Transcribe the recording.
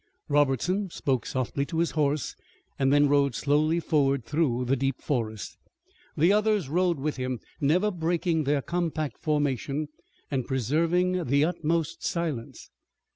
Robertson spoke softly to his horse, and then rode slowly forward through the deep forest. The others rode with him, never breaking their compact formation, and preserving the utmost silence.